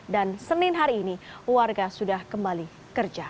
dan senin hari ini warga sudah kembali kerja